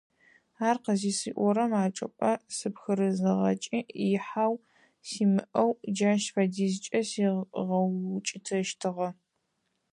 Ар къызысиӀорэм а чӀыпӀэм сыпхырызыгъэкӀи ихьау симыӀэу джащ фэдизкӀэ сигъэукӀытэщтыгъэ.